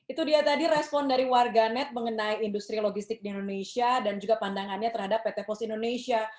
itu dia tadi respon dari warganet mengenai industri logistik di indonesia dan juga pandangannya terhadap pt pos indonesia